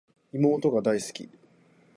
妹が大好き